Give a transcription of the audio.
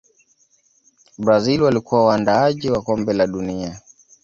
brazil walikuwa waandaaji wa kombe la dunia